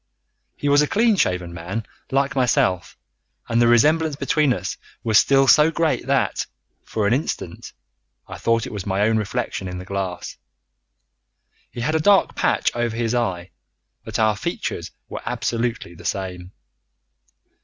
He was a clean shaven man like myself, and the resemblance between us was still so great that, for an instant, I thought it was my own reflection in the glass. He had a dark patch over his eye, but our features were absolutely the same.